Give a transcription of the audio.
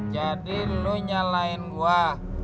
jadi lo nyalain gua